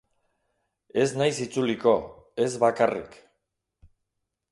Ez naiz itzuliko, ez bakarrik.